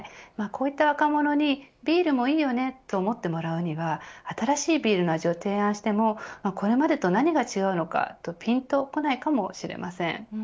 こういった若者にビールもいいよねと思ってもらうには新しいビールの味を提案してもこれまでと何が違うのかとぴんとこないかもしれません。